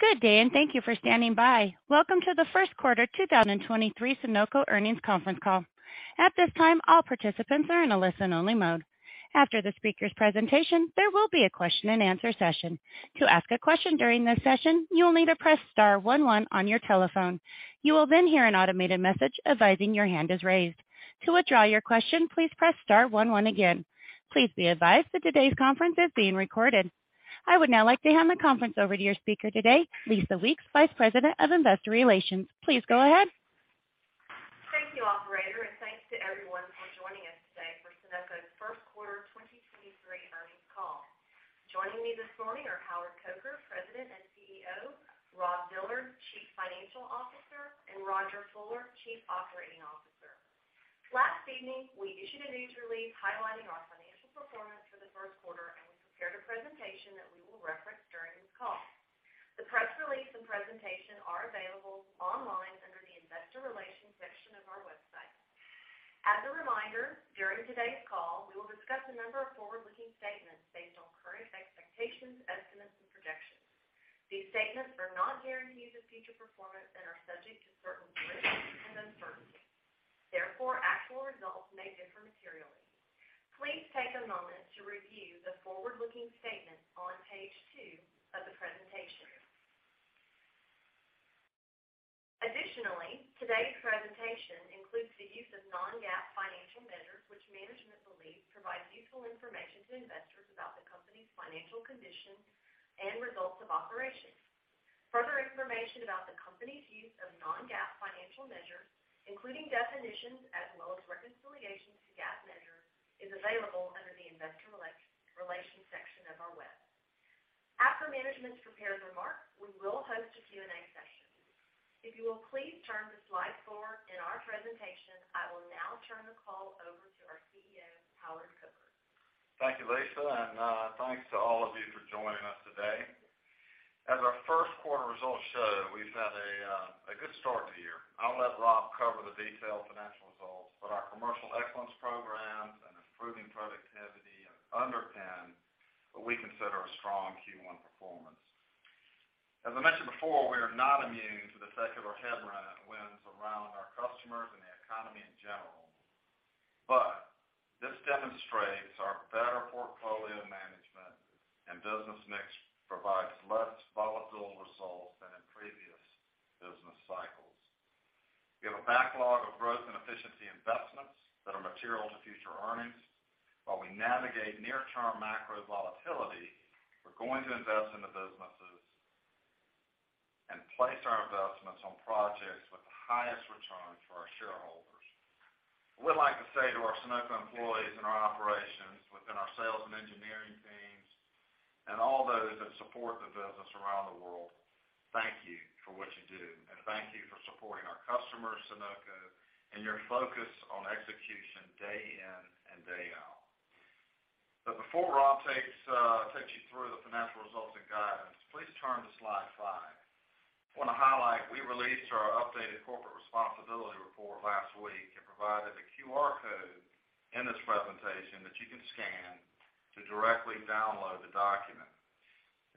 Good day. Thank you for standing by. Welcome to the first quarter 2023 Sonoco earnings conference call. At this time, all participants are in a listen only mode. After the speaker's presentation, there will be a question and answer session. To ask a question during this session, you will need to press star one one on your telephone. You will hear an automated message advising your hand is raised. To withdraw your question, please press star one one again. Please be advised that today's conference is being recorded. I would now like to hand the conference over to your speaker today, Lisa Weeks, Vice President of Investor Relations. Please go ahead. Thank you, operator, and thanks to everyone for joining us today for Sonoco's first quarter 2023 earnings call. Joining me this morning are Howard Coker, President and CEO; Rob Dillard, Chief Financial Officer; and Rodger Fuller, Chief Operating Officer. Last evening, we issued a news release highlighting our financial performance for the first quarter, and we prepared a presentation that we will reference during this call. The press release and presentation are available online under the investor relations section of our website. As a reminder, during today's call, we will discuss a number of forward-looking statements based on current expectations, estimates, and projections. These statements are not guarantees of future performance and are subject to certain risks and uncertainties. Therefore, actual results may differ materially. Please take a moment to review the forward-looking statements on page 2 of the presentation. Today's presentation includes the use of non-GAAP financial measures, which management believes provides useful information to investors about the company's financial condition and results of operations. Further information about the company's use of non-GAAP financial measures, including definitions as well as reconciliations to GAAP measures, is available under the investor relations section of our web. After management's prepared remarks, we will host a Q&A session. If you will please turn to slide four in our presentation, I will now turn the call over to our CEO, Howard Coker. Thank you, Lisa, and thanks to all of you for joining us today. As our first quarter results show, we've had a good start to the year. I'll let Rob cover the detailed financial results, but our commercial excellence programs and improving productivity have underpinned what we consider a strong Q1 performance. As I mentioned before, we are not immune to the secular headwinds around our customers and the economy in general. This demonstrates our better portfolio management and business mix provides less volatile results than in previous business cycles. We have a backlog of growth and efficiency investments that are material to future earnings. While we navigate near term macro volatility, we're going to invest in the businesses and place our investments on projects with the highest returns for our shareholders. I would like to say to our Sonoco employees and our operations within our sales and engineering teams and all those that support the business around the world, thank you for what you do and thank you for supporting our customers, Sonoco, and your focus on execution day in and day out. Before Rob takes you through the financial results and guidance, please turn to slide 5. I wanna highlight, we released our updated Corporate Responsibility Report last week and provided a QR code in this presentation that you can scan to directly download the document.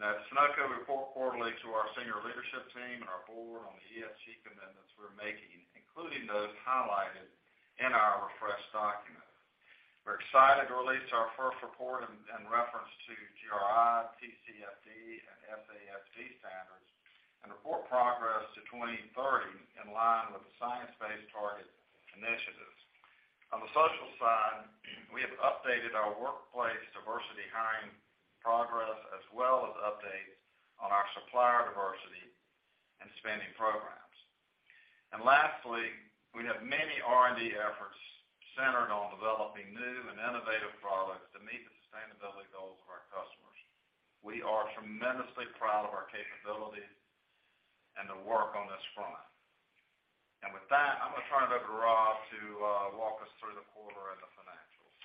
Sonoco report quarterly to our senior leadership team and our board on the ESG commitments we're making, including those highlighted in our refreshed document. We're excited to release our first report in reference to GRI, TCFD, and SASB standards and report progress to 2030 in line with the science-based target initiatives. On the social side, we have updated our workplace diversity hiring progress as well as updates on our supplier diversity and spending programs. Lastly, we have many R&D efforts centered on developing new and innovative products to meet the sustainability goals of our customers. We are tremendously proud of our capabilities and the work on this front. With that, I'm gonna turn it over to Rob to walk us through the quarter and the financials.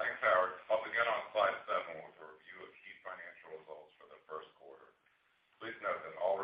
Thanks, Howard. I'll begin on slide 7 with a review of key financial results for the first quarter. Please note that all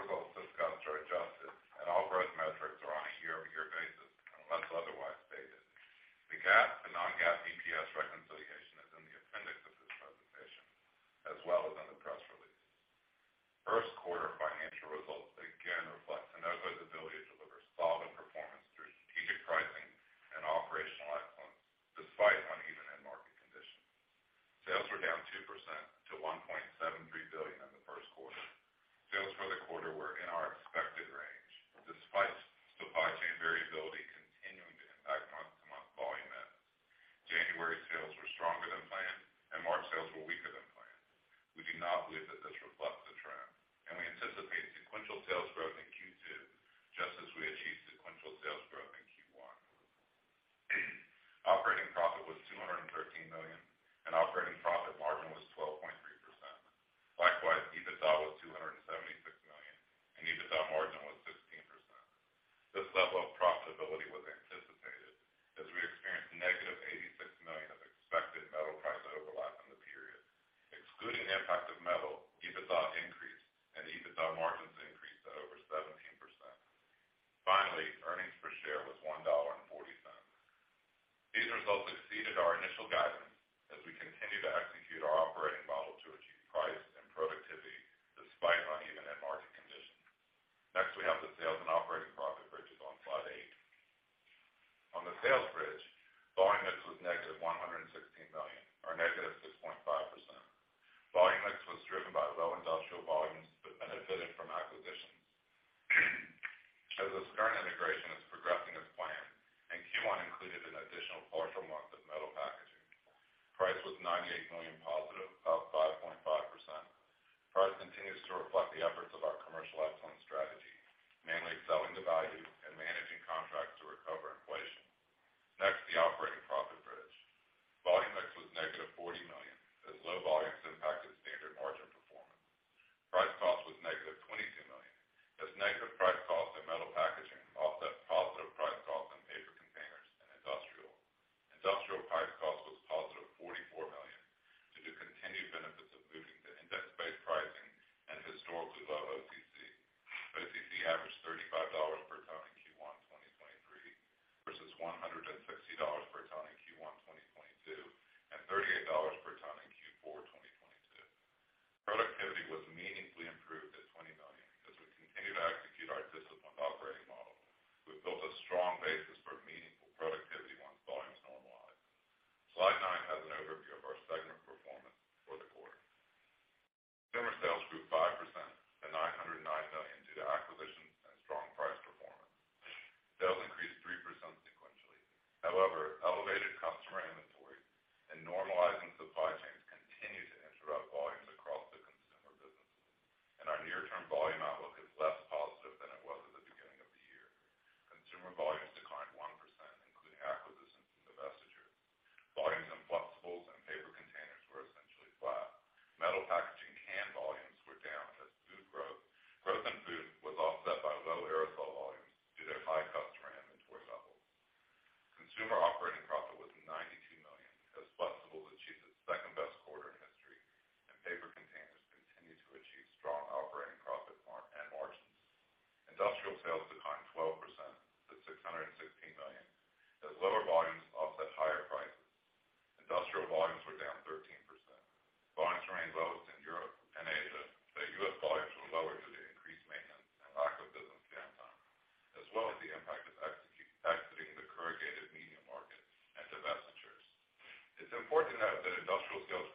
It's important to note that industrial sales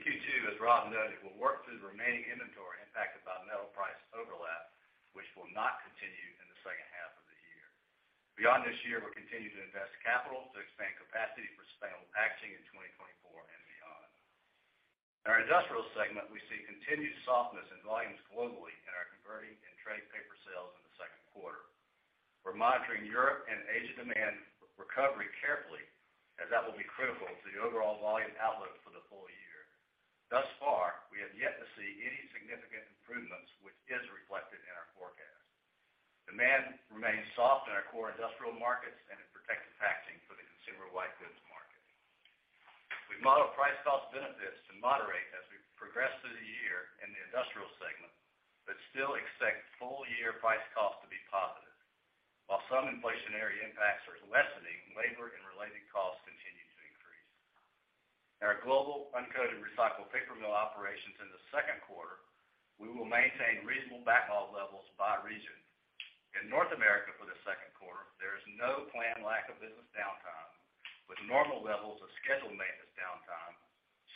consumer spending. In Q2, as Rob noted, we'll work through the remaining inventory impacted by metal price overlap. Beyond this year, we're continuing to invest capital to expand capacity for sustainable packaging in 2024 and beyond. In our industrial segment, we see continued softness in volumes globally in our converting and trade paper sales in the second quarter. We're monitoring Europe and Asia demand recovery carefully, as that will be critical to the overall volume outlook for the full year. Thus far, we have yet to see any significant improvements, which is reflected in our forecast. Demand remains soft in our core industrial markets and in protective packaging for the consumer white goods market. We model price cost benefits to moderate as we progress through the year in the industrial segment, but still expect full-year price cost to be positive. While some inflationary impacts are lessening, labor and related costs continue to increase. In our global uncoated recycled paper mill operations in the second quarter, we will maintain reasonable backhaul levels by region. In North America for the second quarter, there is no planned lack of business downtime, with normal levels of scheduled maintenance downtime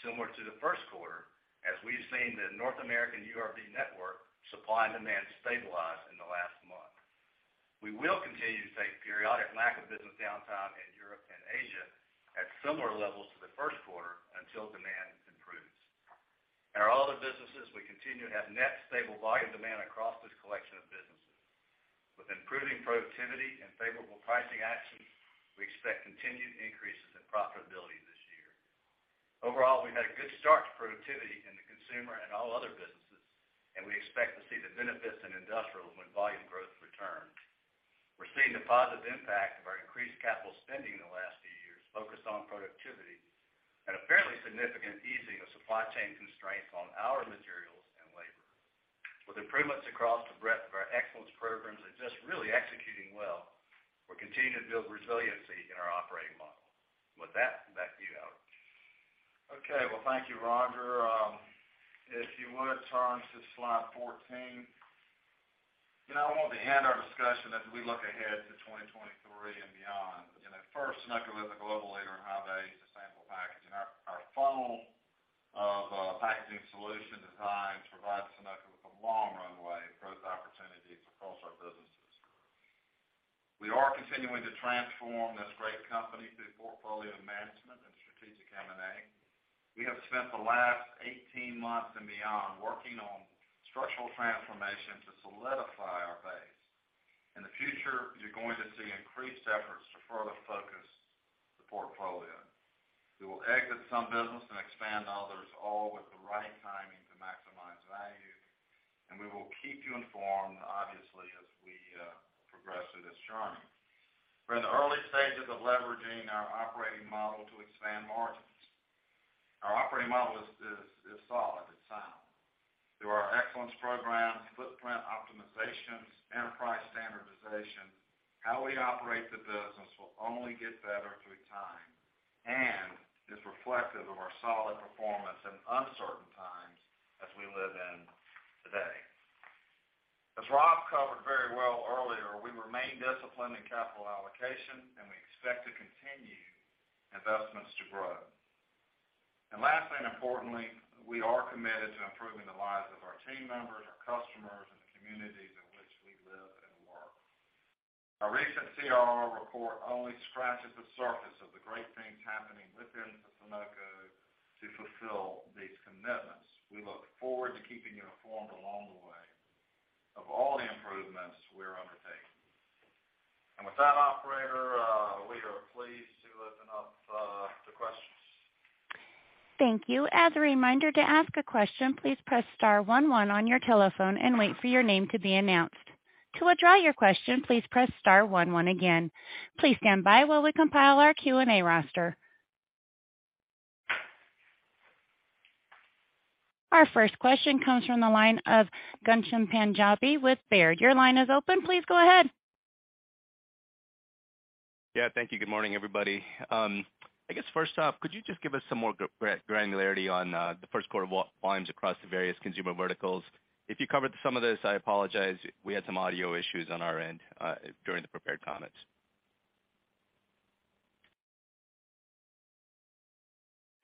similar to the first quarter as we've seen the North American URB network supply and demand stabilize in the last month. We will continue to take periodic lack of business downtime in Europe and Asia at similar levels to the first quarter until demand improves. In our other businesses, we continue to have net stable volume demand across this collection of businesses. With improving productivity and favorable pricing actions, we expect continued increases in profitability this year. Overall, we've had a good start to productivity in the consumer and all other businesses. We expect to see the benefits in industrials when volume growth returns. We're seeing the positive impact of our increased capital spending in the last few years focused on productivity and a fairly significant easing of supply chain constraints on our materials and labor. With improvements across the breadth of our excellence programs and just really executing well, we're continuing to build resiliency in our operating model. With that, back to you, Howard. Okay. Thank you, Rodger. If you would, Torrance, to slide 14. You know, I want to end our discussion as we look ahead to 2023 and beyond. You know, first, Sonoco is a global leader in high-value sustainable packaging. Our funnel of packaging solution designs provides Sonoco with a long runway of growth opportunities across our businesses. We are continuing to transform this great company through portfolio management and strategic M&A. We have spent the last 18 months and beyond working on structural transformation to solidify our base. In the future, you're going to see increased efforts to further focus the portfolio. We will exit some business and expand others, all with the right timing to maximize value. We will keep you informed, obviously, as we progress through this journey. We're in the early stages of leveraging our operating model to expand margins. Our operating model is solid, it's sound. Through our excellence programs, footprint optimizations, enterprise standardization, how we operate the business will only get better through time and is reflective of our solid performance in uncertain times as we live in today. As Rob covered very well earlier, we remain disciplined in capital allocation. We expect to continue investments to grow. Lastly, and importantly, we are committed to improving the lives of our team members, our customers, and the communities in which we live and work. Our recent CRR report only scratches the surface of the great things happening within Sonoco to fulfill these commitments. We look forward to keeping you informed along the way of all the improvements we're undertaking. With that, operator, we are pleased to open up to questions. Thank you. As a reminder, to ask a question, please press star one one on your telephone and wait for your name to be announced. To withdraw your question, please press star one one again. Please stand by while we compile our Q&A roster. Our first question comes from the line of Ghansham Panjabi with Baird. Your line is open. Please go ahead. Yeah. Thank you. Good morning, everybody. I guess first off, could you just give us some more granularity on the first quarter volumes across the various consumer verticals? If you covered some of this, I apologize. We had some audio issues on our end during the prepared comments.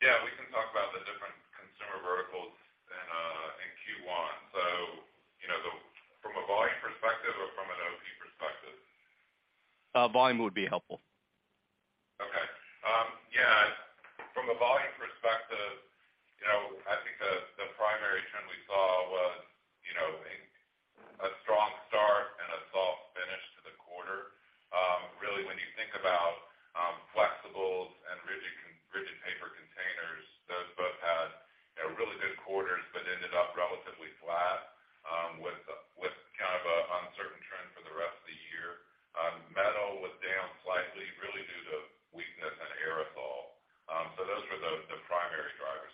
Yeah, we can talk about the different consumer verticals in Q1. You know, from a volume perspective or from an OP perspective? Volume would be helpful. Yeah. From the volume perspective, you know, I think the primary trend we saw was, you know, a strong start and a soft finish to the quarter. Really when you think about flexibles and rigid paper containers, those both had, you know, really good quarters, but ended up relatively flat, with kind of a uncertain trend for the rest of the year. Metal was down slightly, really due to weakness in aerosol. Those were the primary drivers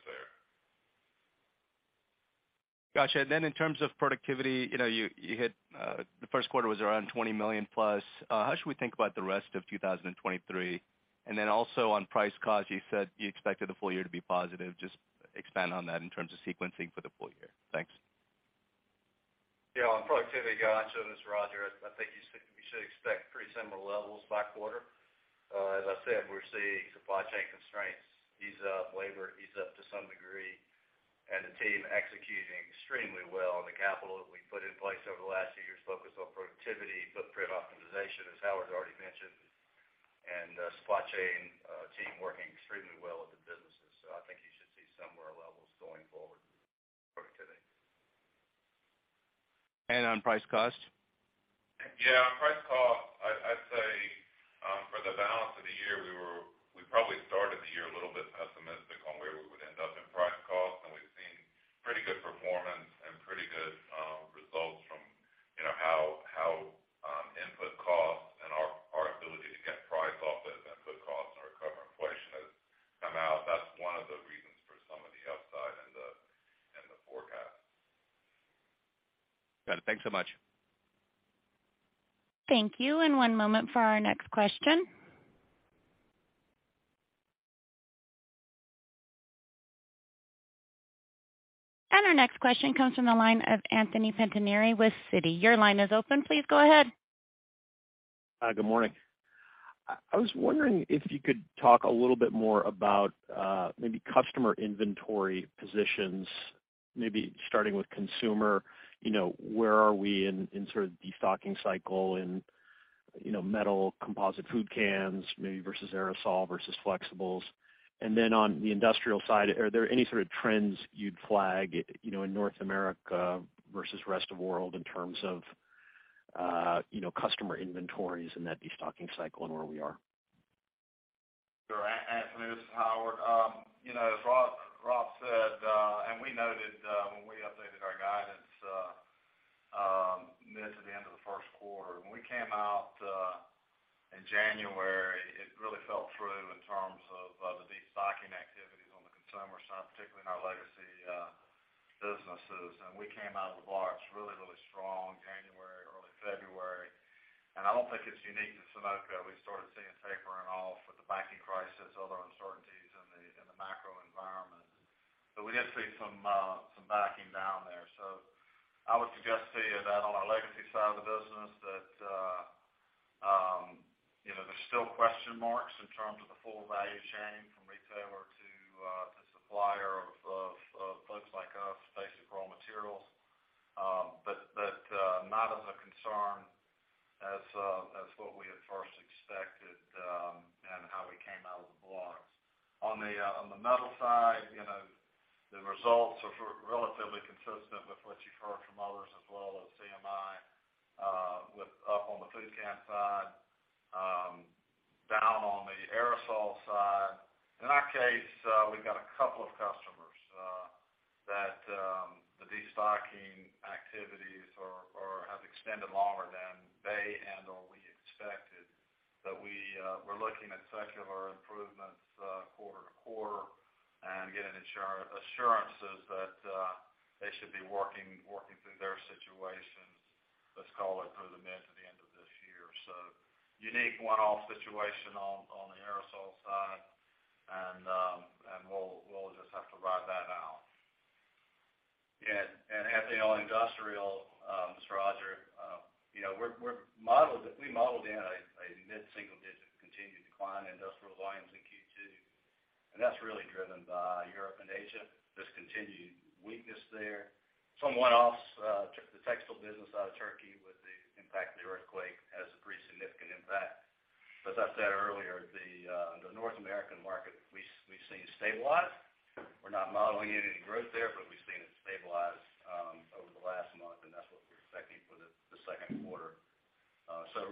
there. Got you. In terms of productivity, you know, you hit the first quarter was around $20 million+. How should we think about the rest of 2023? Also on price cost, you said you expected the full year to be positive. Just expand on that in terms of sequencing for the full year. Thanks. Yeah. On productivity, got you. It's Rodger. I think you should expect pretty similar levels by quarter. As I said, we're seeing supply chain constraints ease up, labor ease up to some degree, the team executing extremely well on the capital that we put in place over the last few years focused on productivity, footprint optimization, as Howard's already mentioned, supply chain team working extremely well with the businesses. I think you should see similar levels going forward for today. On price cost? Yeah. On price cost, I'd say, for the balance of the year, we probably started the year a little bit pessimistic on where we would end up in price cost, and we've seen pretty good performance and pretty good results from, you know, how input costs and our ability to get price off those input costs and recover inflation has come out. That's one of the reasons for some of the upside in the forecast. Got it. Thanks so much. Thank you, and one moment for our next question. Our next question comes from the line of Anthony Pettinari with Citi. Your line is open. Please go ahead. Good morning. I was wondering if you could talk a little bit more about maybe customer inventory positions, maybe starting with consumer. You know, where are we in sort of destocking cycle in, you know, metal, composite food cans, maybe versus aerosol versus flexibles? On the industrial side, are there any sort of trends you'd flag, you know, in North America versus rest of world in terms of, you know, customer inventories in that destocking cycle and where we are? Sure. Anthony, this is Howard. you know, as Rob said, and we noted, when we updated our guidance, mid to the end of the first quarter. When we came out in January, it really fell through in terms of the destocking activities on the consumer side, particularly in our legacy businesses. We came out of the blocks really strong January, early February. I don't think it's unique to Sonoco. We started seeing tapering off with the banking crisis, other uncertainties in the macro environment. We did see some backing down there. I would suggest to you that on our legacy side of the business that, you know, there's still question marks in terms of the full value chain from retailer to supplier of folks like us, basic raw materials. Not of a concern as what we had first expected and how we came out of the blocks. On the metal side, you know, the results are relatively consistent with what you've heard from others as well as CMI, with up on the food can side, down on the aerosol side. In our case, we've got a couple of customers that the destocking activities are extended longer than they and/or we expected. We're looking at secular improvements, quarter to quarter and getting assurances that they should be working through their situations, let's call it through the mid to the end of this year. Unique one-off situation on the aerosol side and we'll just have to ride that out. Yeah. Anthony, on industrial, Rodger, you know, we modeled in a mid-single digit continued decline in industrial volumes in Q2, and that's really driven by Europe and Asia, this continued weakness there. Some one-offs, the textile business out of Turkey with the impact of the earthquake has a pretty significant impact. As I said earlier, the North American market we've seen stabilize. We're not modeling any growth there, but we've seen it stabilize over the last month, and that's what we're expecting for the second quarter.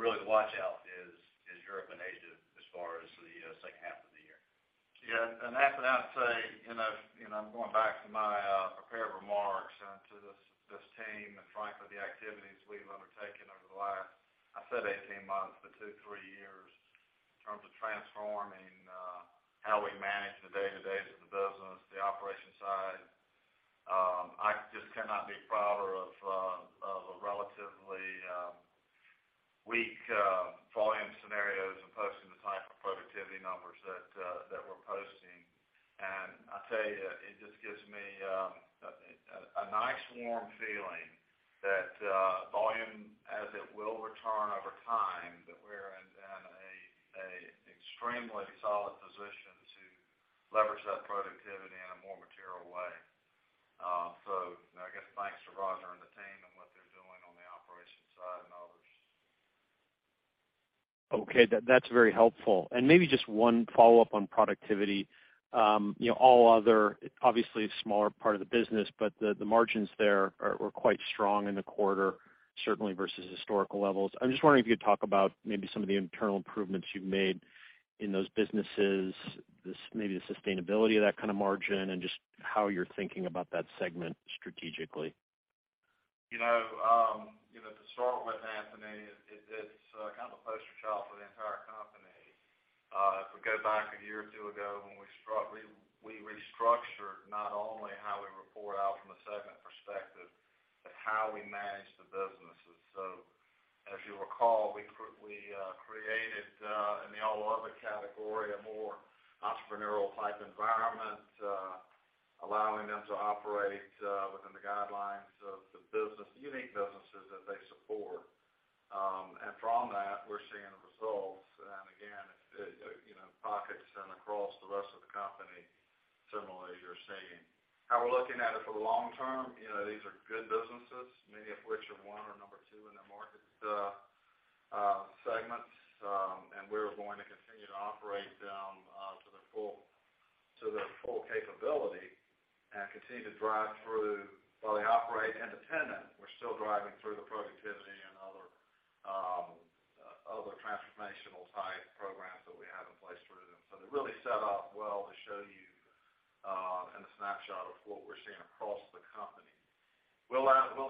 Really the watch-out is Europe and Asia as far as the second half of the year. Yeah. Anthony Pettinari, I'd say, you know, you know, going back to my prepared remarks and to this team and frankly the activities we've undertaken over the last, I said 18 months, but two, three years in terms of transforming how we manage the day-to-day of the business, the operation side. I just cannot be prouder of a relatively weak volume scenarios and posting the type of productivity numbers that we're posting. I tell you, it just gives me a nice warm feeling that volume as it will return over time, that we're in a extremely solid position to leverage that productivity in a more material way. So I guess thanks to Roger and the team and what they're doing on the operations side and others. Okay. That's very helpful. Maybe just one follow-up on productivity. You know, all other, obviously a smaller part of the business, but the margins there were quite strong in the quarter, certainly versus historical levels. I'm just wondering if you could talk about maybe some of the internal improvements you've made in those businesses, maybe the sustainability of that kind of margin, and just how you're thinking about that segment strategically. You know, you know, to start with Anthony Pettinari, it's kind of a poster child for the entire company. If we go back a year or two ago when we restructured not only how we report out from a segment perspective, but how we manage the businesses. As you recall, we created in the All Other Category, a more entrepreneurial type environment, allowing them to operate within the guidelines of the business, unique businesses that they support. From that, we're seeing the results. Again, it, you know, pockets and across the rest of the company, similarly, you're seeing. How we're looking at it for the long term, you know, these are good businesses, many of which are one or number 2 in their market segments. We're going to continue to operate them to their full capability and continue to drive through while they operate independent. We're still driving through the productivity and other transformational type programs that we have in place for them. They're really set up well to show you and a snapshot of what we're seeing across the company. We'll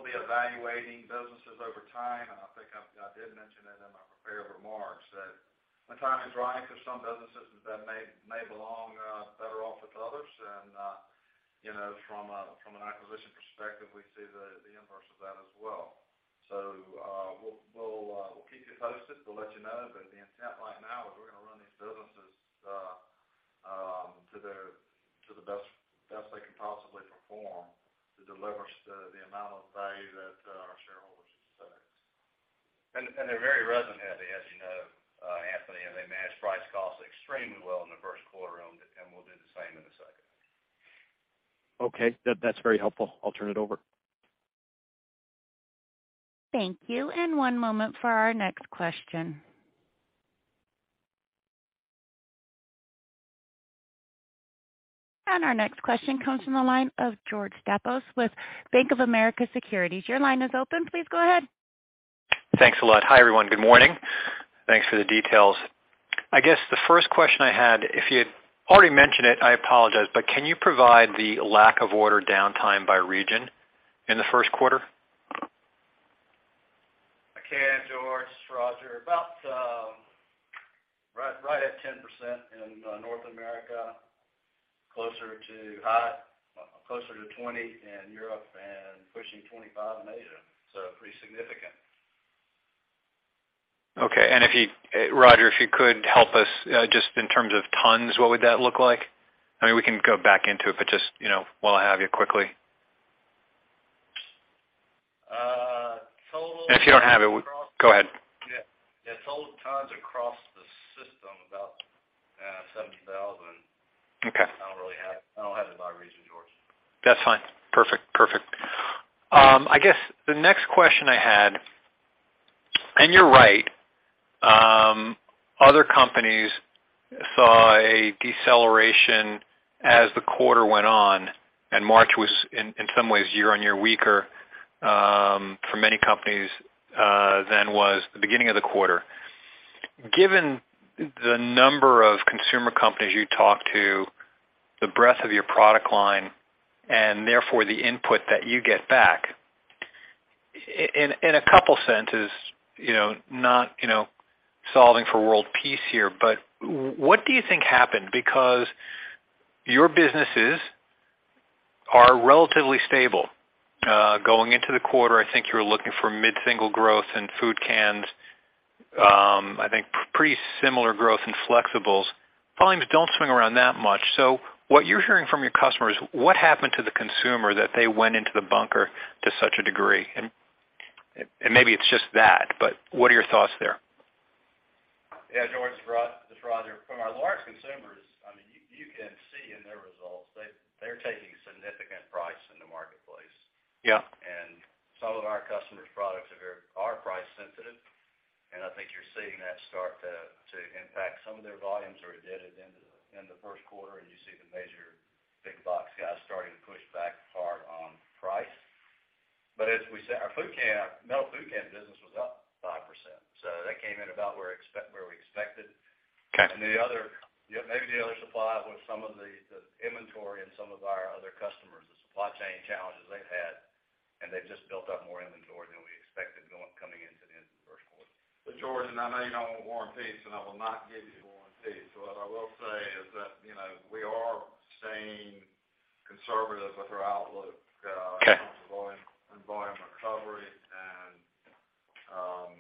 be evaluating businesses over time. I think I did mention it in my prepared remarks that when time is right for some businesses that may belong better off with others. You know, from an acquisition perspective, we see the inverse of that as well. We'll, we'll keep you posted. We'll let you know. The intent right now is we're gonna run these businesses, to their, to the best they can possibly perform to deliver the amount of value that our shareholders expect. They're very resonant, as you know, Anthony, and they manage price cost extremely well in the first quarter, and we'll do the same in the second. Okay. That's very helpful. I'll turn it over. One moment for our next question. Our next question comes from the line of George Staphos with Bank of America Securities. Your line is open. Please go ahead. Thanks a lot. Hi, everyone. Good morning. Thanks for the details. I guess the first question I had, if you'd already mentioned it, I apologize, but can you provide the lack of order downtime by region in the first quarter? I can, George. Roger. About right at 10% in North America, closer to 20 in Europe, pushing 25 in Asia, pretty significant. Okay. If you, Roger, if you could help us, just in terms of tons, what would that look like? I mean, we can go back into it, but just, you know, while I have you quickly. total- If you don't have it, go ahead. Yeah. Yeah. Total tons across the system, about, 7,000. Okay. I don't really have it. I don't have it by region, George. That's fine. Perfect. Perfect. I guess the next question I had. You're right, other companies saw a deceleration as the quarter went on, and March was in some ways year-over-year weaker, for many companies, than was the beginning of the quarter. Given the number of consumer companies you talk to, the breadth of your product line, and therefore the input that you get back, in a couple senses, you know, not, you know, solving for world peace here. What do you think happened? Because your businesses are relatively stable. Going into the quarter, I think you're looking for mid-single growth in food cans. I think pretty similar growth in flexibles. Volumes don't swing around that much. What you're hearing from your customers, what happened to the consumer that they went into the bunker to such a degree? Maybe it's just that, but what are your thoughts there? Yeah, George, it's Rodger. From our large consumers, I mean, you can see in their results they're taking significant price in the marketplace. Yeah. Some of our customers' products are very, are price sensitive. I think you're seeing that start to impact some of their volumes, or it did at the end of the first quarter. You see the major big box guys starting to push back hard on price. As we said, our food can, metal food can business was up 5%, so that came in about where we expected. Okay. The other, yeah, maybe the other supply was some of the inventory and some of our other customers, the supply chain challenges they've had, and they've just built up more inventory than we expected coming into the end of the first quarter. George, and I know you don't want warranties, and I will not give you warranties. What I will say is that, you know, we are staying conservative with our outlook. Okay. In terms of volume recovery. you know,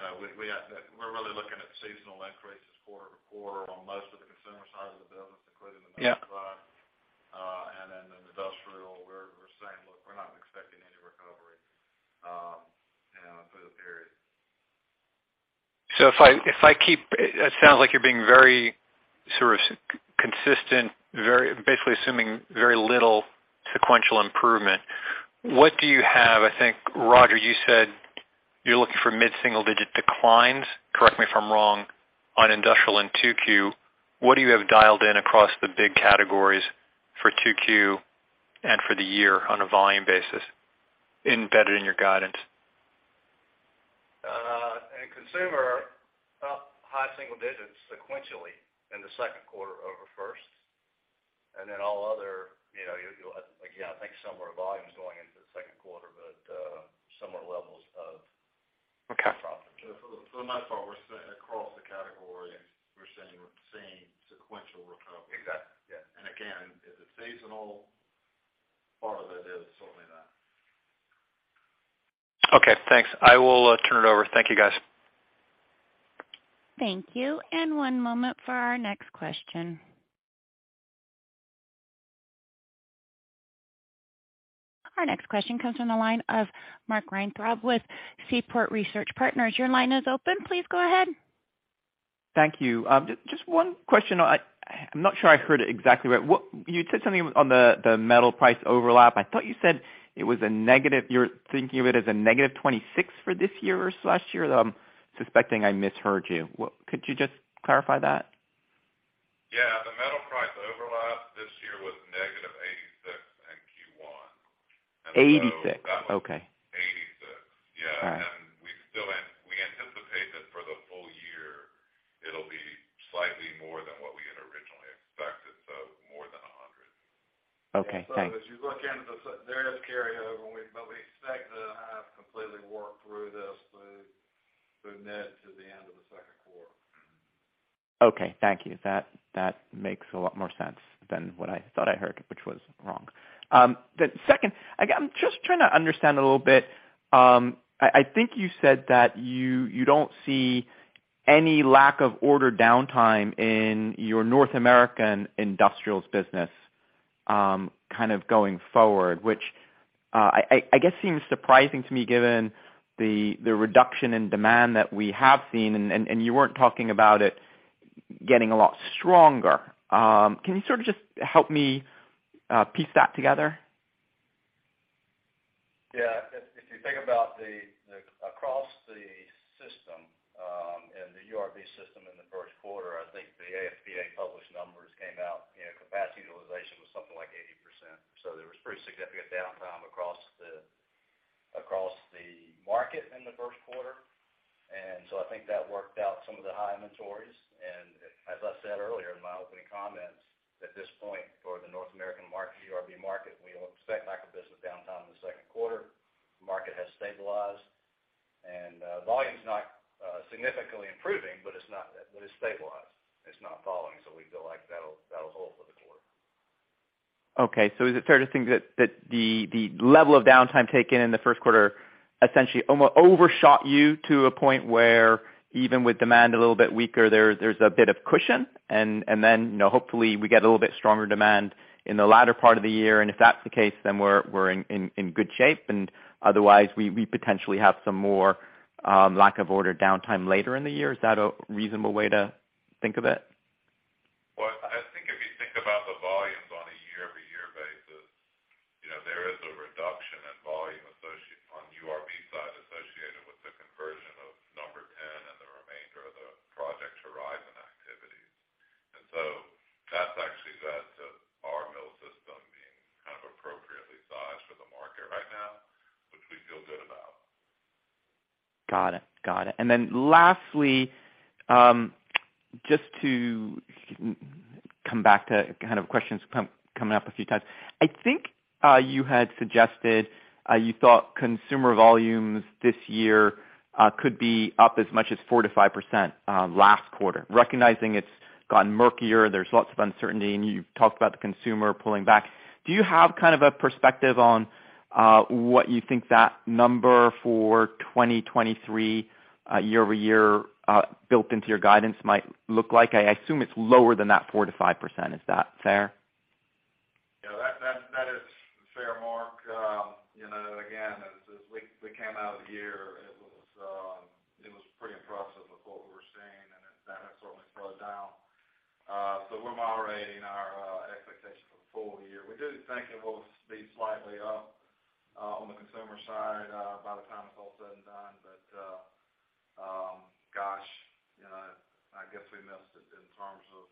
we're really looking at seasonal increases quarter-over-quarter on most of the consumer side of the business, including the metal side. Yeah. Then in industrial, we're saying, "Look, we're not expecting any recovery, you know, through the period. It sounds like you're being very sort of consistent, very, basically assuming very little sequential improvement. What do you have? I think, Rodger, you said you're looking for mid-single digit declines, correct me if I'm wrong, on industrial in two Q. What do you have dialed in across the big categories for two Q and for the year on a volume basis embedded in your guidance? In consumer, up high single digits sequentially in the second quarter over first. All other, you know, you'll, again, I think similar volumes going into the second quarter, but similar levels. Okay. Profit. For the most part, we're saying across the categories, we're seeing sequential recovery. Exactly. Yeah. Again, if it's seasonal, part of it is certainly that. Okay, thanks. I will turn it over. Thank you, guys. Thank you. One moment for our next question. Our next question comes from the line of Mark Weintraub with Seaport Research Partners. Your line is open. Please go ahead. Thank you. Just one question. I am not sure I heard it exactly right. What? You said something on the metal price overlap. I thought you said it was a negative. You are thinking of it as a negative $26 for this year or last year. I am suspecting I misheard you. Could you just clarify that? Yeah. The metal price overlap this year was -$86 in Q1. 86? Okay. 86. Yeah. All right. We still anticipate that for the full year, it'll be slightly more than what we had originally expected, so more than $100. Okay. Thanks. as you look into there is carryover when but we expect to have completely worked through this to net to the end of the second quarter. Thank you. That makes a lot more sense than what I thought I heard, which was wrong. The second, again, I'm just trying to understand a little bit. I think you said that you don't see any lack of order downtime in your North American industrials business kind of going forward, which I guess seems surprising to me given the reduction in demand that we have seen and you weren't talking about it getting a lot stronger. Can you sort of just help me piece that together? Yeah. If you think about the across the system, and the URB system in the first quarter, I think the AFPA published numbers came out, you know, capacity utilization was something like 80%. There was pretty significant downtime across the market in the first quarter. I think that worked out some of the high inventories. As I said earlier in my opening comments, at this point for the North American market, URB market, we don't expect micro business downtime in the second quarter. The market has stabilized. Volume's not, significantly improving, but it's stabilized. It's not falling, we feel like that'll hold for the quarter. Okay. Is it fair to think that the level of downtime taken in the first quarter essentially overshot you to a point where even with demand a little bit weaker, there's a bit of cushion? Then, you know, hopefully we get a little bit stronger demand in the latter part of the year, and if that's the case, then we're in good shape, and otherwise we potentially have some more lack of order downtime later in the year. Is that a reasonable way to think of it? Well, I think if you think about the volumes on a year-over-year basis, you know, there is a reduction in volume on URB side associated with the conversion of number ten and the remainder of the Project Horizon activities. That's actually led to our mill system being kind of appropriately sized for the market right now, which we feel good about. Got it. Lastly, just to come back to kind of questions coming up a few times. I think you had suggested you thought consumer volumes this year could be up as much as 4%-5% last quarter. Recognizing it's gotten murkier, there's lots of uncertainty, and you've talked about the consumer pulling back. Do you have kind of a perspective on what you think that number for 2023 year-over-year built into your guidance might look like? I assume it's lower than that 4%-5%. Is that fair? That is fair, Mark. You know, again, as we came out of the year, it was pretty impressive with what we were seeing. That has certainly slowed down. We're moderating our expectations for the full year. We do think it will be slightly up on the consumer side by the time it's all said and done. Gosh, you know, I guess we missed it in terms of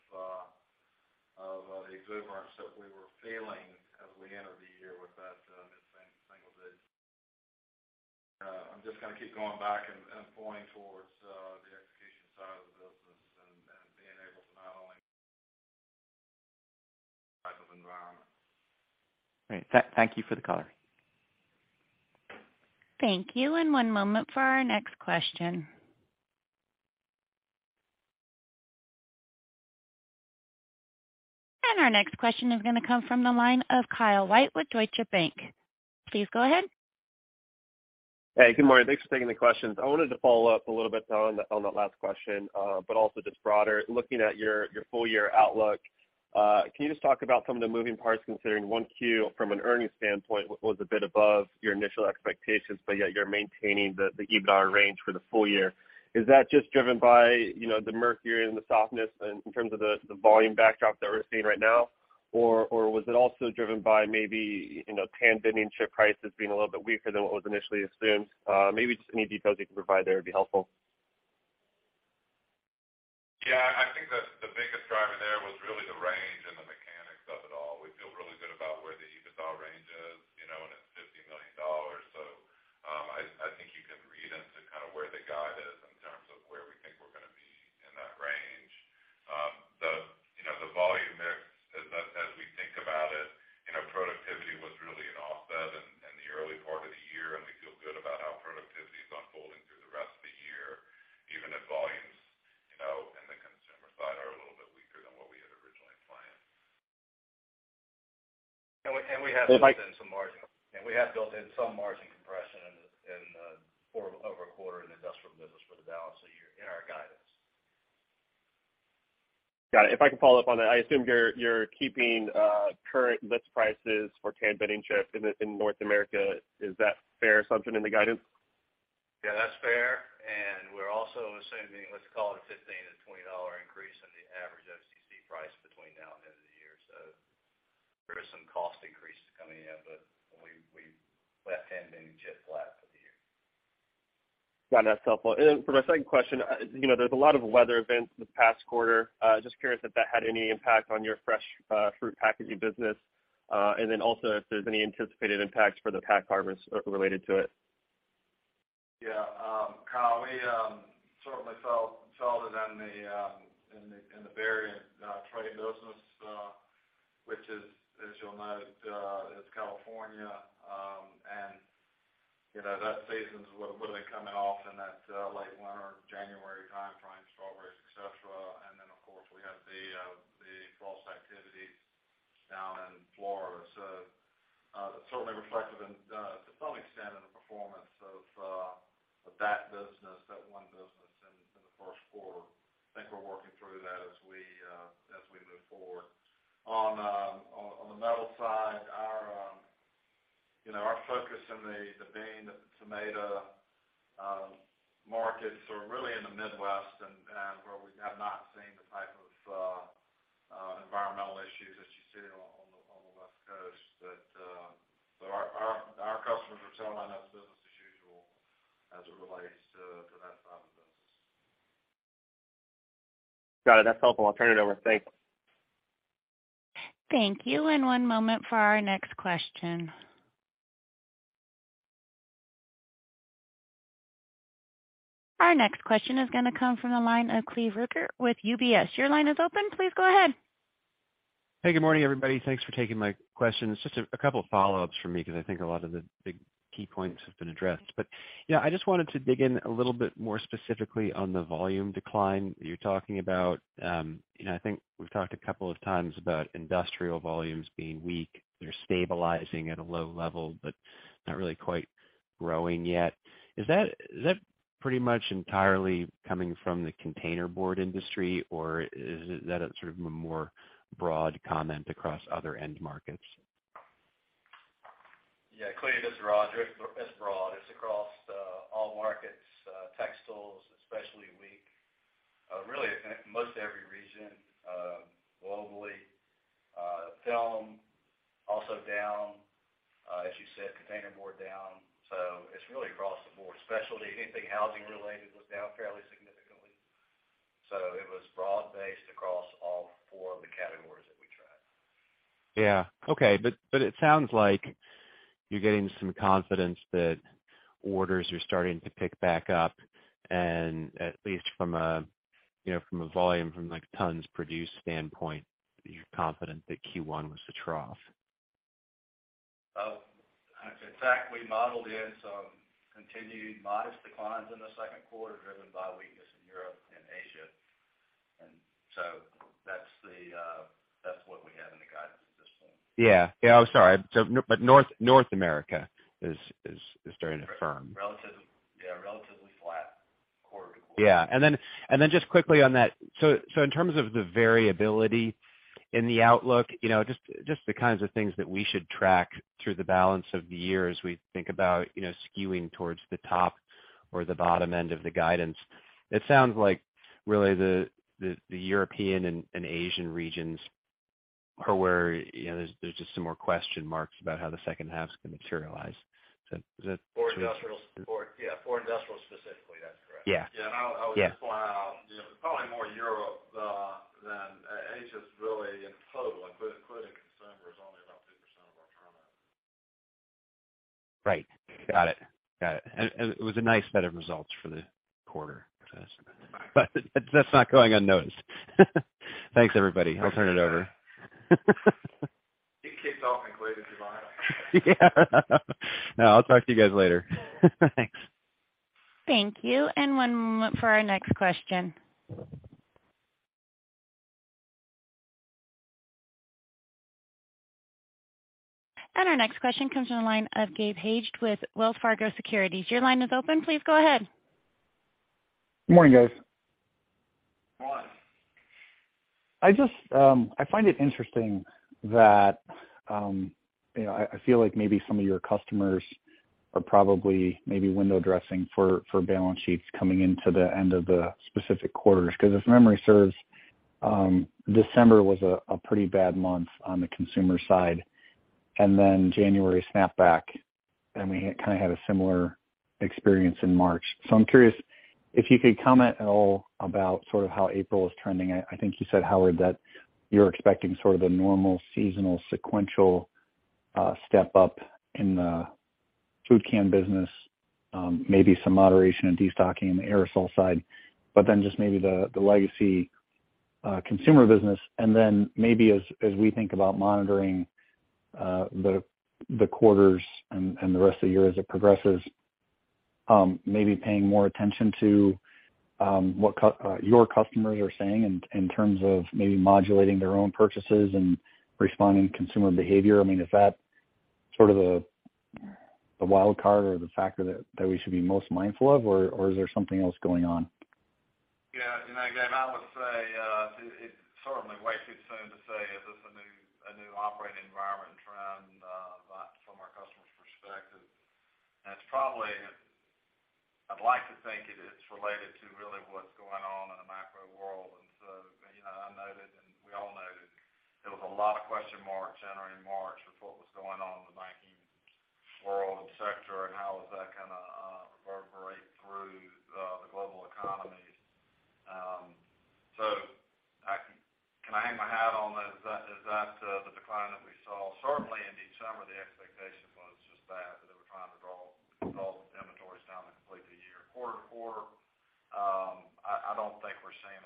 the exuberance that we were feeling as we entered the year with that in single days. I'm just gonna keep going back and pointing towards the execution side of the business and being able to not only type of environment. Great. Thank you for the color. Thank you. One moment for our next question. Our next question is going to come from the line of Kyle White with Deutsche Bank. Please go ahead. Hey, good morning. Thanks for taking the questions. I wanted to follow up a little bit on that last question, also just broader, looking at your full year outlook. Can you just talk about some of the moving parts considering 1Q from an earnings standpoint was a bit above your initial expectations, yet you're maintaining the EBITDA range for the full year? Is that just driven by, you know, the mercury and the softness in terms of the volume backdrop that we're seeing right now? Was it also driven by maybe, you know, tandem and chip prices being a little bit weaker than what was initially assumed? Maybe just any details you can provide there would be helpful. Yeah. I think that the biggest driver there was really the range and the mechanics of it all. We feel really good about where the EBITDA range is, you know, and it's $50 million. I think you can read into kind of where the guide is in terms of where we think we're gonna be in that range. The, you know, the volume mix as we think about it, you know, productivity was really an offset in the early part of the year, and we feel good about how productivity and we have built in some margin compression in, for over a quarter in the industrial business for the balance of the year in our guidance. Got it. If I could follow up on that, I assume you're keeping current list prices for can bending chips in North America. Is that fair assumption in the guidance? Yeah, that's fair. We're also assuming, let's call it a $15-$20 increase in the average FCC price between now and the end of the year. There are some cost increases coming in, but we left-hand bending chips flat for the year. Got it. That's helpful. For my second question, you know, there's a lot of weather events this past quarter. Just curious if that had any impact on your fresh fruit packaging business. Also if there's any anticipated impacts for the pack harvest related to it. Yeah. Kyle, we certainly felt it in the berry trade business, which is, as you'll note, is California, and, you know, that season's really coming off in that late winter, January timeframe, strawberries, et cetera. Then, of course, we have the frost activity down in Florida. Certainly reflective in to some extent in the performance of that business, that one business in the first quarter. I think we're working through that as we as we move forward. On the metal side, our, you know, our focus in the bean, tomato markets are really in the Midwest and where we have not seen the type of environmental issues as you see on the West Coast. Our customers are telling us business as usual as it relates to that side of the business. Got it. That's helpful. I'll turn it over. Thanks. Thank you. One moment for our next question. Our next question is going to come from the line of Cleveland Rueckert with UBS. Your line is open. Please go ahead. Hey, good morning, everybody. Thanks for taking my questions. Just a couple follow-ups from me because I think a lot of the big key points have been addressed. You know, I just wanted to dig in a little bit more specifically on the volume decline you're talking about. You know, I think we've talked a couple of times about industrial volumes being weak. They're stabilizing at a low level, but not really quite growing yet. Is that pretty much entirely coming from the container board industry, or is it that a sort of a more broad comment across other end markets? Yeah. Cleve, that's broad. It's broad. It's across all markets, textiles, especially weak, really in most every region, globally. Film also down, as you said, container board down. It's really across the board. Specialty, anything housing related was down fairly significantly. It was broad-based across all four of the categories that we track. Yeah. Okay. It sounds like you're getting some confidence that orders are starting to pick back up. At least from a, you know, from a volume from like tons produced standpoint, you're confident that Q1 was the trough. In fact, we modeled in some continued modest declines in the second quarter, driven by weakness in Europe and Asia. That's the, that's what we have in the guidance at this point. Yeah. Yeah. I'm sorry. North America is starting to firm. Yeah, relatively flat quarter to quarter. Yeah. Just quickly on that. In terms of the variability in the outlook, you know, just the kinds of things that we should track through the balance of the year as we think about, you know, skewing towards the top or the bottom end of the guidance. It sounds like really the European and Asian regions are where, you know, there's just some more question marks about how the second half is gonna materialize. Is that? For industrials. Yeah, for industrials specifically. That's correct. Yeah. Yeah. Yeah. I would just point out, you know, probably more Europe than Asia is really in total, including consumer, is only about 2% of our turnover. Right. Got it. Got it. It was a nice set of results for the quarter. Thanks. That's not going unnoticed. Thanks, everybody. I'll turn it over. Get kicked off and Cleve is your line. Yeah. No, I'll talk to you guys later. Thanks. Thank you. One moment for our next question. Our next question comes from the line of Gabriel Hajde with Wells Fargo Securities. Your line is open. Please go ahead. Good morning, guys. Good morning. I just, I find it interesting that, you know, I feel like maybe some of your customers are probably maybe window dressing for balance sheets coming into the end of the specific quarters. Because if memory serves, December was a pretty bad month on the consumer side, and then January snapped back, and we kinda had a similar experience in March. I'm curious if you could comment at all about sort of how April is trending. I think you said, Howard, that you're expecting sort of a normal seasonal sequential step up in the food can business, maybe some moderation and destocking in the aerosol side, then just maybe the legacy consumer business. Maybe as we think about monitoring, the quarters and the rest of the year as it progresses. Maybe paying more attention to what your customers are saying in terms of maybe modulating their own purchases and responding to consumer behavior. I mean, is that sort of the wild card or the factor that we should be most mindful of? Or, or is there something else going on? Yeah. You know, Gabe, I would say, it's certainly way too soon to say is this a new, a new operating environment and trend, from our customer's perspective. It's probably... I'd like to think it is related to really what's going on in the macro world. You know, I noted, and we all noted, there was a lot of question marks entering March with what was going on in the banking world and sector, and how does that kind of, reverberate through, the global economies. Can I hang my hat on that? Is that, is that, the decline that we saw? Certainly in December, the expectation was just that they were trying to draw inventories down to complete the year. Quarter to quarter, I don't think we're seeing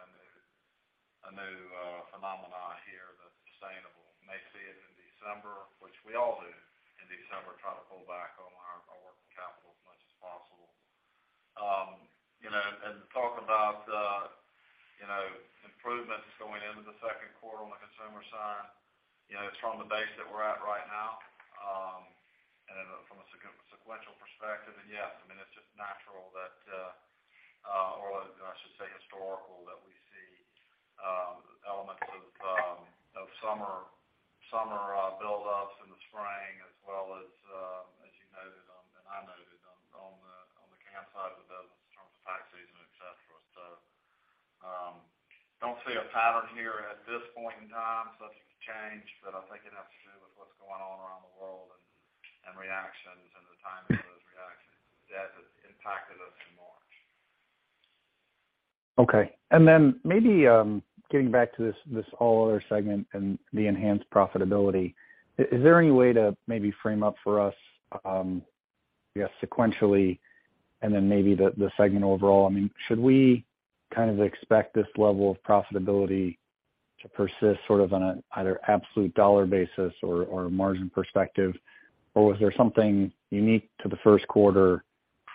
a new phenomena here that's sustainable. You may see it in December, which we all do in December, try to pull back on our working capital as much as possible. You know, Talk about, you know, improvements going into the second quarter on the consumer side, you know, from the base that we're at right now, and from a sequential perspective. Yes, I mean, it's just natural that, or I should say historical, that we see elements of summer buildups in the spring as well as you noted on, and I noted on the can side of the business in terms of tax season, et cetera. Don't see a pattern here at this point in time subject to change, but I think it has to do with what's going on around the world and reactions and the timing of those reactions as it impacted us in March. Okay. Getting back to this all other segment and the enhanced profitability. Is there any way to maybe frame up for us, yeah, sequentially and then maybe the segment overall? I mean, should we kind of expect this level of profitability to persist sort of on a either absolute dollar basis or a margin perspective? Or was there something unique to the first quarter,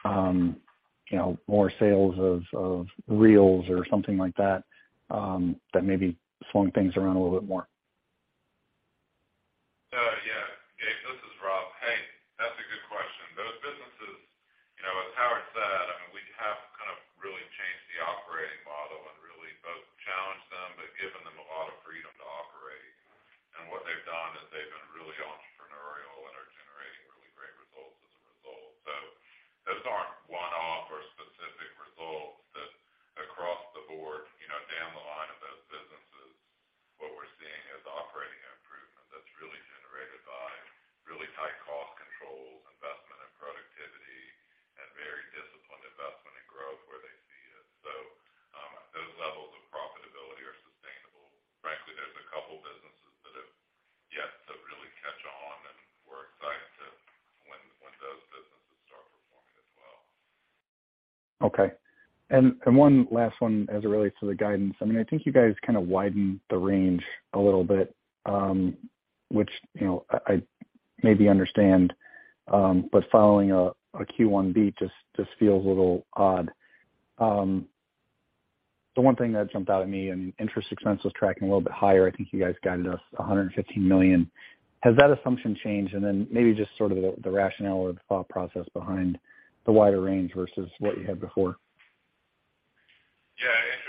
you know, more sales of reels or something like that maybe swung things around a little bit more? wider range versus what yo u had before. Yeah. Interest expense has trended higher, so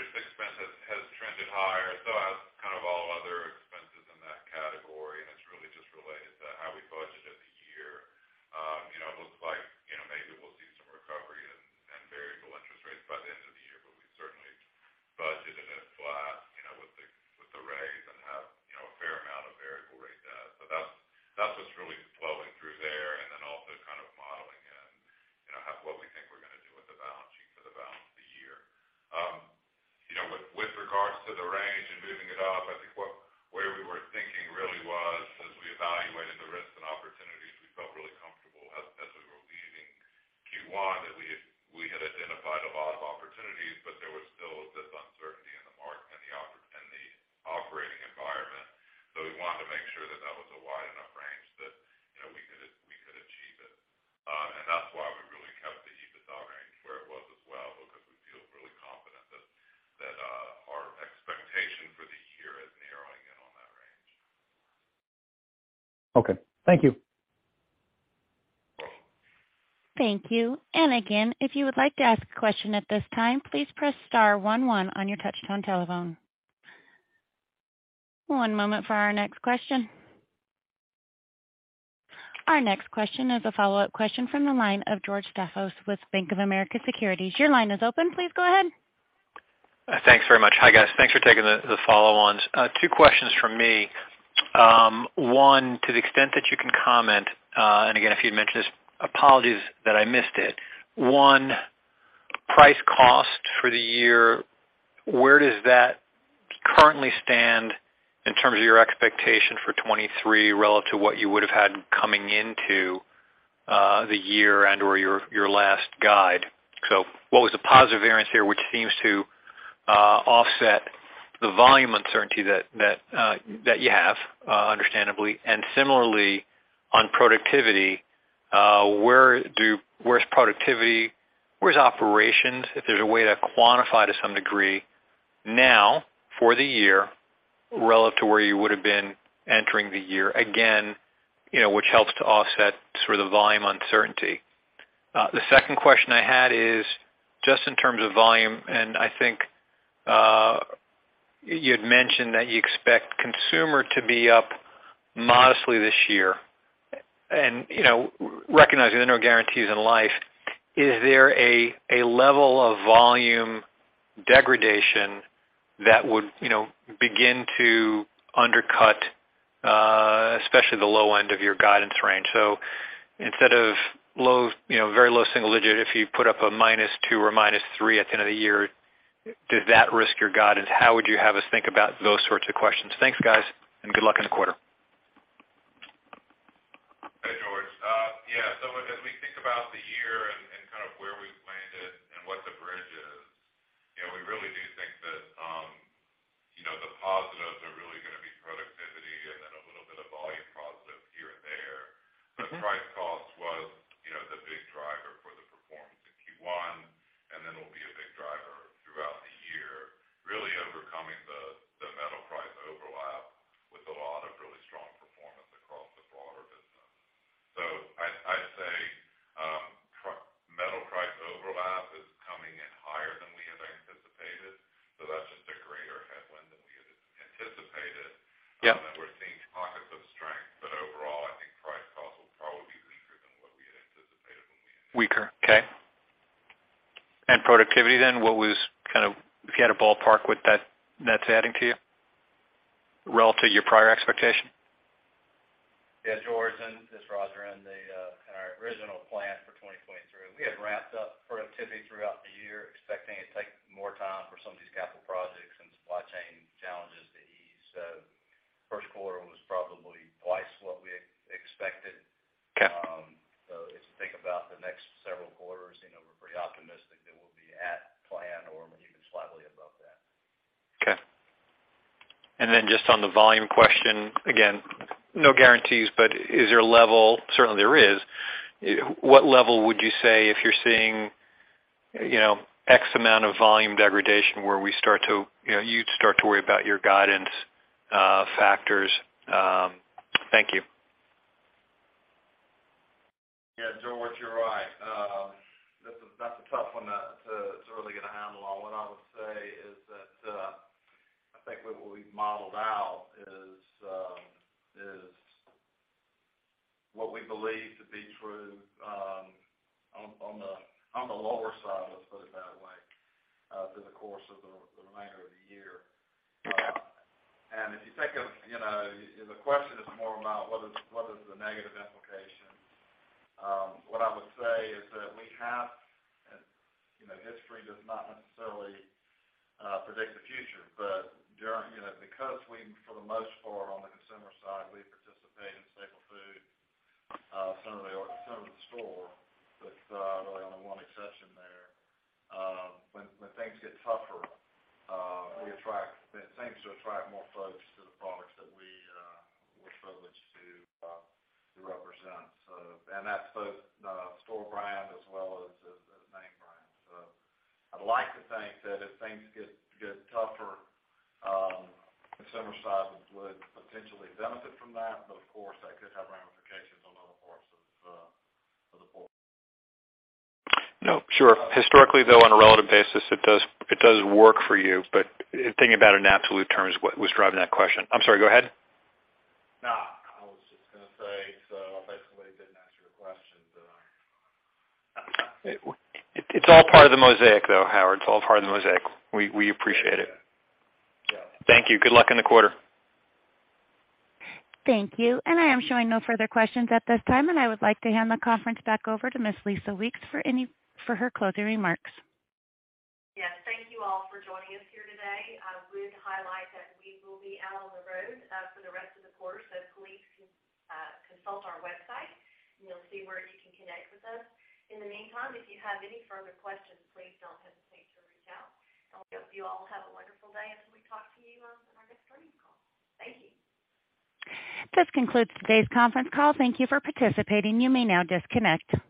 One, to the extent that you can comment, and again, if you'd mentioned this, apologies that I missed it. One, price cost for the year, where does that currently stand in terms of your expectation for 2023 relative to what you would have had coming into the year and/or your last guide? What was the positive variance here, which seems to offset the volume uncertainty that you have, understandably. Similarly, on productivity, where's productivity? Where's operations? If there's a way to quantify to some degree now for the year relative to where you would have been entering the year, again, you know, which helps to offset sort of the volume uncertainty. The second question I had is just in terms of volume, and I think, you'd mentioned that you expect consumer to be up modestly this year. You know, recognizing there are no guarantees in life, is there a level of volume degradation that would, you know, begin to undercut, especially the low end of your guidance range? Instead of low, you know, very low single digit, if you put up a -2 or -3 at the end of the year, does that risk your guidance? How would you have us think about those sorts of questions? Thanks, guys, and good luck in the quarter. Hey, George. Yeah. As we think about the year and kind of where we've landed and what the bridge is, you know, we really do think that, you know, the positives are really gonna be productivity and then a little bit of volume positive here and there. Mm-hmm. The price cost was, you know, the big driver for the performance in Q1. It'll be a big driver throughout the year, really overcoming the metal price overlap with a lot of really strong performance across the broader business. I'd say metal price overlap is coming in higher than we had anticipated, so that's just a greater headwind than we had anticipated. Yeah. We're seeing pockets of strength. Overall, I think price cost will probably be weaker than what we had anticipated. Weaker. Okay. Productivity then, if you had a ballpark what that's adding to you relative to your prior expectation? George, and this is Rodger. In our original plan for 2023, we had ramped up productivity throughout the year, expecting it to take more time for some of these capital projects and supply chain challenges to ease. First quarter was probably twice what we expected. Okay. As we think about the next several quarters, you know, we're pretty optimistic that we'll be at plan or maybe even slightly above that. Okay. Then just on the volume question, again, no guarantees, but is there a level... Certainly, there is. What level would you say if you're seeing, you know, X amount of volume degradation where we start to, you know, you'd start to worry about your guidance factors? Thank you. Yeah. George, you're right. That's a tough one to, to really get a handle on. What I would say is that, I think what we've modeled out is what we believe to be true, on the lower side, let's put it that way, through the course of the remainder of the year. If you think of, you know, the question is more about what is the negative implication. What I would say is that we have, and, you know, history does not necessarily, predict the future, but during, you know, because we, for the most part, on the consumer side, we participate in staple food, center of the store with, really only one exception there. When things get tougher, it seems to attract more folks to the products that we're privileged to represent. That's both, store brand as well as main brand. I'd like to think that if things get tougher, consumer side would potentially benefit from that. Of course, that could have ramifications on other parts of the port-. No, sure. Historically, though, on a relative basis, it does work for you. Thinking about it in absolute terms was driving that question. I'm sorry. Go ahead. No, I was just gonna say, I basically didn't answer your question, did I? It's all part of the mosaic, though, Howard. It's all part of the mosaic. We appreciate it. Yeah. Thank you. Good luck in the quarter. Thank you. I am showing no further questions at this time. I would like to hand the conference back over to Ms. Lisa Weeks for her closing remarks. Yes, thank you all for joining us here today. I would highlight that we will be out on the road for the rest of the quarter, so please consult our website, and you'll see where you can connect with us. In the meantime, if you have any further questions, please don't hesitate to reach out. We hope you all have a wonderful day, and we talk to you on our next earnings call. Thank you. This concludes today's conference call. Thank you for participating. You may now disconnect.